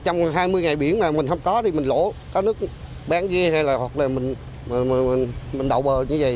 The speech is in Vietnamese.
trong hai mươi ngày biển mà mình không có thì mình lỗ có nước bán ghê hay là mình đậu bờ như vậy